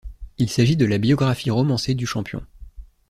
Il s'agit de la biographie romancée du champion.